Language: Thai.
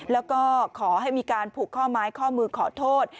แล้วก็ขอให้มีการผูกข้อไม้ข้อมือขอโทษ